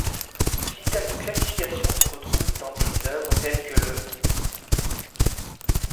Le système de classification se retrouve dans des œuvres telles que le '.